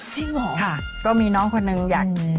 จริงเหรอค่ะก็มีน้องคนนึงอยาก